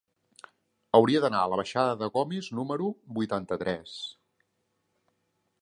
Hauria d'anar a la baixada de Gomis número vuitanta-tres.